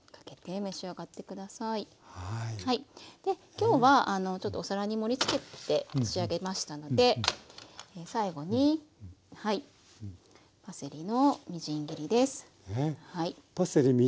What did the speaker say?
今日はちょっとお皿に盛りつけて仕上げましたので最後にパセリのみじん切りです。